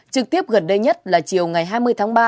trực tiếp gần đây nhất là chiều ngày hai mươi tháng ba